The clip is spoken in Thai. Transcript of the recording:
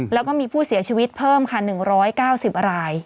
แล้วก็มีผู้เสียชีวิตเพิ่มค่ะ๑๙๐ราย